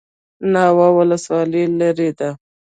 ناوه ولسوالۍ لیرې ده؟